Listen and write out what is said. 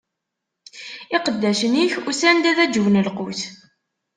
Iqeddacen-ik usan-d ad aǧwen lqut.